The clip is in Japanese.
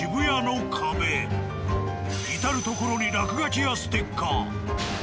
至る所に落書きやステッカー。